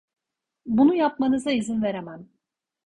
Bunu yapmanıza izin veremem.